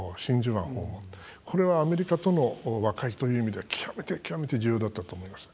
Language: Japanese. これはアメリカとの和解という意味では極めて、極めて重要だったと思います。